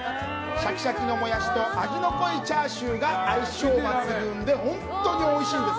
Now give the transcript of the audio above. シャキシャキのモヤシと味の濃いチャーシューが相性抜群で本当においしいです。